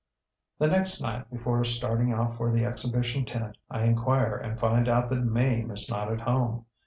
ŌĆÖ ŌĆ£The next night before starting out for the exhibition tent I inquire and find out that Mame is not at home.